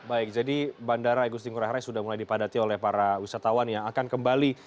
baik jadi bandara igusti ngurah rai sudah mulai dipadati oleh para wisatawan yang akan kembali